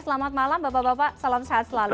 selamat malam bapak bapak salam sehat selalu